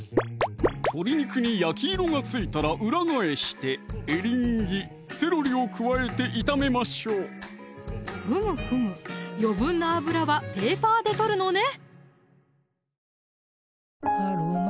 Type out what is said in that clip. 鶏肉に焼き色がついたら裏返してエリンギ・セロリを加えて炒めましょうふむふむ余分な油はペーパーで取るのね